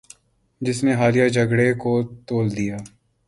جس نے حالیہ جھگڑے کو طول دیا